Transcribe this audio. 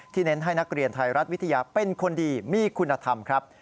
เน้นให้นักเรียนไทยรัฐวิทยาเป็นคนดีมีคุณธรรมครับ